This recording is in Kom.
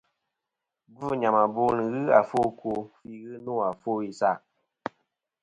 Gvɨ̂ nyàmàbo nɨn ghɨ àfo ɨkwo fî ghɨ nô àfo isaʼ.